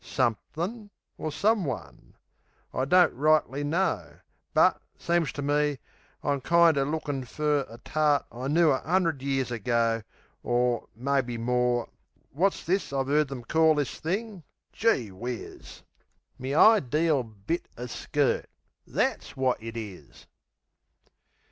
Somethin' or someone I don't rightly know; But, seems to me, I'm kind er lookin' for A tart I knoo a 'undred years ago, Or, maybe, more. Wot's this I've 'eard them call that thing?...Geewhizz! Me ideel bit o' skirt! That's wot it is!